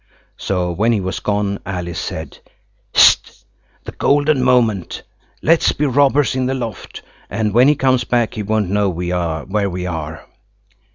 So when he was gone Alice said– "Hist! The golden moment. Let's be robbers in the loft, and when he comes back he won't know where we are."